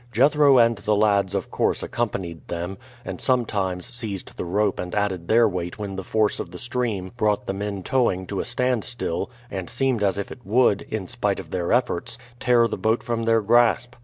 Jethro and the lads of course accompanied them, and sometimes seized the rope and added their weight when the force of the stream brought the men towing to a standstill and seemed as if it would, in spite of their efforts, tear the boat from their grasp.